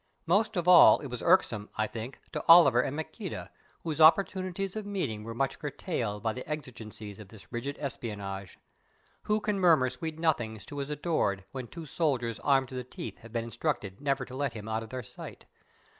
Most of all was it irksome, I think, to Oliver and Maqueda, whose opportunities of meeting were much curtailed by the exigencies of this rigid espionage. Who can murmur sweet nothings to his adored when two soldiers armed to the teeth have been instructed never to let him out of their sight?